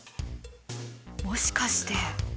もしかして。